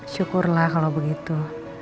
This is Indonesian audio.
syukurlah kalo begitu